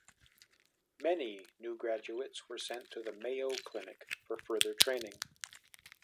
Many new graduates were sent to the Mayo Clinic for further training.